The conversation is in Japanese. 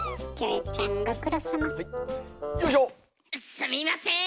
すみません